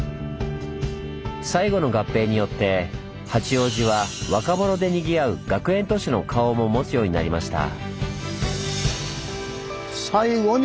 最後の合併によって八王子は若者でにぎわう学園都市の顔も持つようになりました。